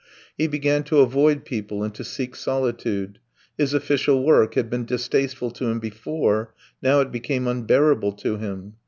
He began to avoid people and to seek solitude. His official work had been distasteful to him before: now it became unbearable to him.